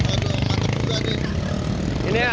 aduh mantep juga nih